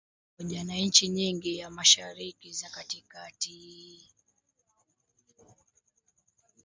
pamoja na nchi nyingi za Mashariki ya Kati kati